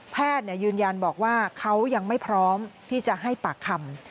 ยืนยันบอกว่าเขายังไม่พร้อมที่จะให้ปากคำ